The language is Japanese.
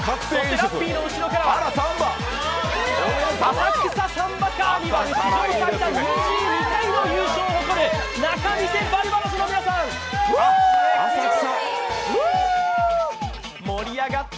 ラッピーの後ろからは、浅草サンバカーニバル、史上最多２２回の優勝を誇る、仲見世バルバロスの皆さんです。